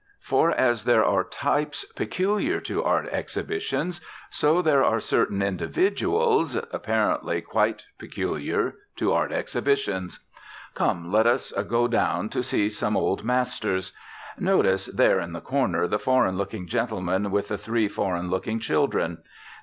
For as there are types peculiar to art exhibitions, so there are certain individuals apparently quite peculiar to art exhibitions. Come, let us go on down to see some Old Masters. Notice there in the corner the foreign looking gentleman with the three foreign looking children.